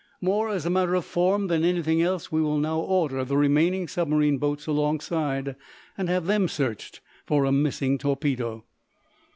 More as a matter of form than anything else we will now order the remaining submarine boats alongside, and have them searched for a missing torpedo."